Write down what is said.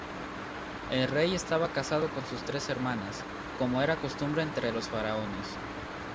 El rey estaba casado con sus tres hermanas, como era costumbre entre los faraones.